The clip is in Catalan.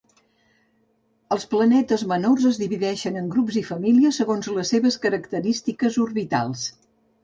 Els planetes menors es divideixen en grups i famílies segons les seves característiques orbitals.